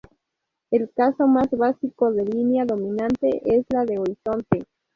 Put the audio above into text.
El caso más básico de línea dominante es la de horizonte.